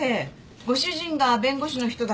ご主人が弁護士の人だけど。